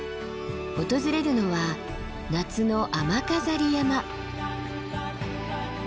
訪れるのは夏の雨飾山。